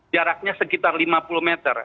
jaraknya sekitar lima puluh meter